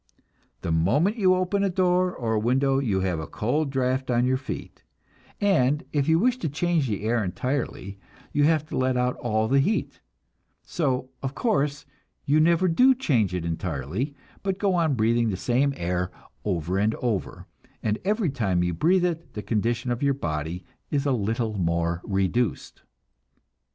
The moment you open a door or window, you have a cold draft on your feet, and if you wish to change the air entirely you have to let out all the heat; so, of course, you never do change it entirely, but go on breathing the same air over and over, and every time you breathe it the condition of your body is a little more reduced.